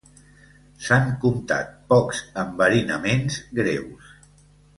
S'han comptat pocs enverinaments greus.